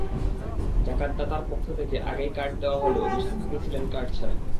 জাকাতদাতার পক্ষ থেকে আগেই কার্ড দেওয়া হলেও বেশির ভাগই ছিলেন কার্ডছাড়া।